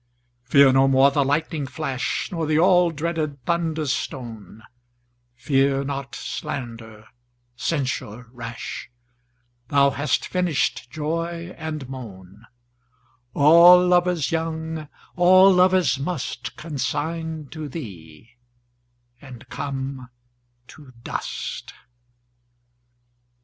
Fear no more the lightning flash, Nor the all dreaded thunder stone; Fear not slander, censure rash; Thou hast finish'd joy and moan:All lovers young, all lovers mustConsign to thee, and come to dust.